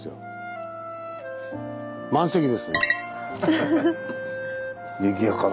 満席ですね。